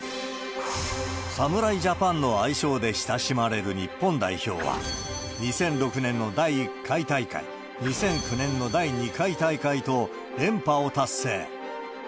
侍ジャパンの愛称で親しまれる日本代表は、２００６年の第１回大会、２００９年の第２回大会と連覇を達成。